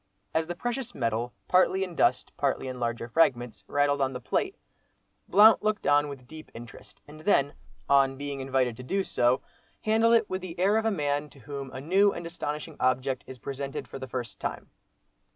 As the precious metal, partly in dust, partly in larger fragments, rattled on the plate, Blount looked on with deep interest, and then, on being invited so to do, handled it with the air of a man to whom a new and astonishing object is presented for the first time.